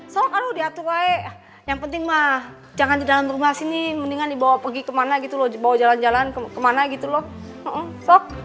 soal karena udah tua yang penting mah jangan di dalam rumah sini mendingan dibawa pergi kemana gitu loh bawa jalan jalan kemana gitu loh sok